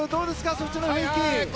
そちらの雰囲気。